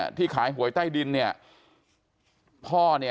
ความปลอดภัยของนายอภิรักษ์และครอบครัวด้วยซ้ำ